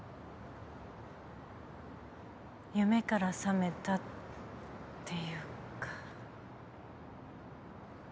夢から覚めたっていうか。